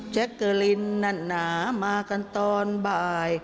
แจ๊คเกอร์ลินนามากันตอนบ่าย